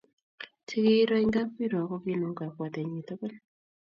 Che kiiro eng kapkirwok kokinam kabwatenyi tugul